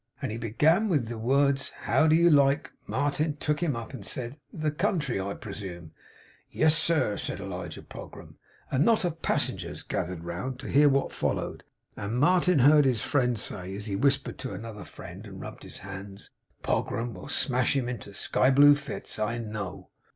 As he began with the words, 'How do you like ?' Martin took him up and said: 'The country, I presume?' 'Yes, sir,' said Elijah Pogram. A knot of passengers gathered round to hear what followed; and Martin heard his friend say, as he whispered to another friend, and rubbed his hands, 'Pogram will smash him into sky blue fits, I know!